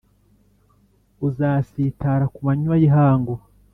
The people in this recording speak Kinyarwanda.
Uzasitara ku manywa y’ihangu,